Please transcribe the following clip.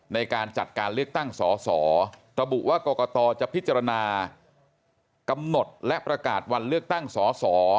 ในการจัดการเลือกตั้งสสระบุว่ากรกตจะพิจารณากำหนดและประกาศวันเลือกตั้งสอสอ